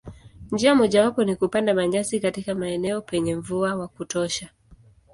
Njia mojawapo ni kupanda manyasi katika maeneo penye mvua wa kutosha.